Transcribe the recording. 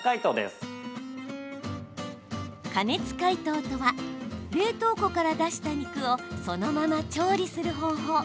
加熱解凍とは冷凍庫から出した肉をそのまま調理する方法。